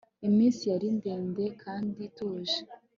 iminsi yari ndende kandi ituje